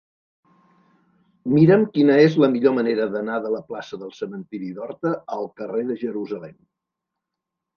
Mira'm quina és la millor manera d'anar de la plaça del Cementiri d'Horta al carrer de Jerusalem.